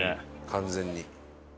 完全に。